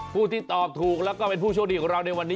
ผู้ที่ตอบถูกแล้วก็เป็นผู้โชคดีของเราในวันนี้